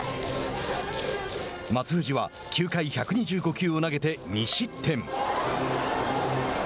松藤は９回１２５球を投げて２失点。